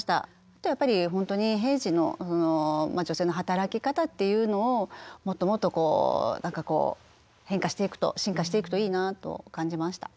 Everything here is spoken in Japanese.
あとやっぱり本当に平時の女性の働き方っていうのをもっともっと何かこう変化していくと進化していくといいなと感じました。